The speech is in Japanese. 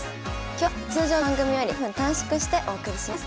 今日は通常の番組より５分短縮してお送りします。